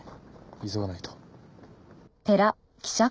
急がないと。